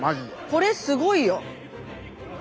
これすごいよ。